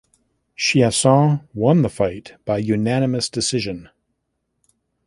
Chiasson won the fight by unanimous decision.